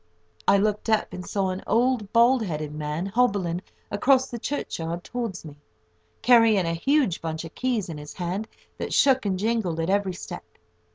I looked up, and saw an old bald headed man hobbling across the churchyard towards me, carrying a huge bunch of keys in his hand that shook and jingled at every step.